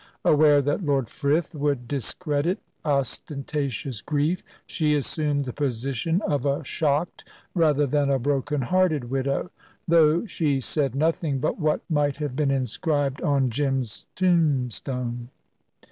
Aware that Lord Frith would discredit ostentatious grief, she assumed the position of a shocked rather than a broken hearted widow, though she said nothing but what might have been inscribed on Jim's tombstone.